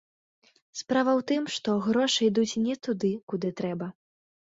Справа ў тым, што грошы ідуць не туды, куды трэба.